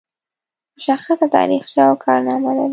مشخصه تاریخچه او کارنامه لري.